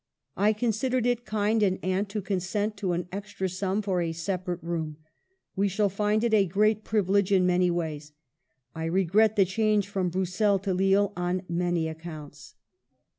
I considered it kind in aunt to consent to an extra sum for a separate room. We shall find it a great privilege in many ways. I regret the change from Bruxelles to Lille on many accounts."